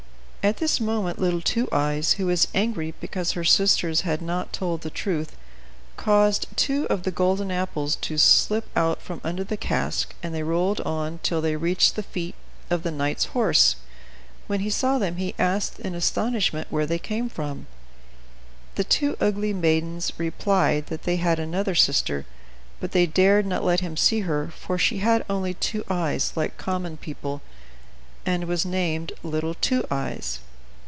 At this moment little Two Eyes, who was angry because her sisters had not told the truth, caused two of the golden apples to slip out from under the cask, and they rolled on till they reached the feet of the knight's horse. When he saw them, he asked in astonishment where they came from. The two ugly maidens replied that they had another sister, but they dared not let him see her, for she had only two eyes, like common people, and was named little Two Eyes.